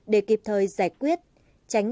để kịp thời giải quyết tránh là nạn nhân của tội phạm này